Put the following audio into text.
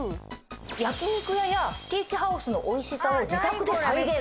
「焼肉屋やステーキハウスの美味しさを自宅で再現！」